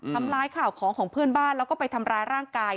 ทำร้ายข่าวของของเพื่อนบ้านแล้วก็ไปทำร้ายร่างกาย